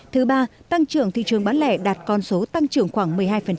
thứ ba tăng trưởng thị trường bán lẻ đạt con số tăng trưởng khoảng một mươi hai